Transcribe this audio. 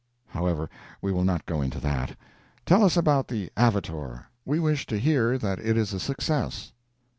However, we will not go into that. Tell us about the "Avitor." We wish to hear that it is a success.